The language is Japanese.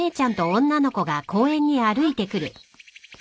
あっ！